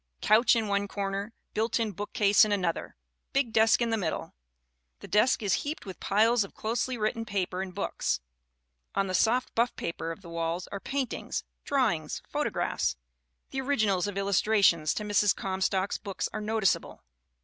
Couch in one corner, built in bookcase in an other, big desk in the middle. The desk is heaped with piles of closely written paper and books. On the soft buff paper of the walls are paintings, drawings, photographs the originals of illustrations to Mrs. Comstock's books are noticeable.